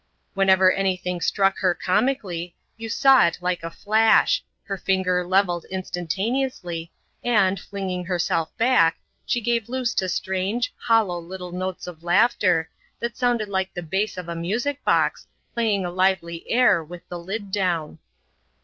Whenever any thing struck her comically, you saw it like a flash — her finger levelled instantaneously, and, flinging herself back, she gave loose to strange, hollow little notes of laughter, that sounded like the bass of a music box, playing a lively air with the lid down.